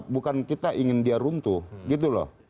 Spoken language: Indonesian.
bukan kita ingin dia runtuh gitu loh